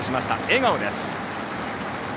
笑顔です。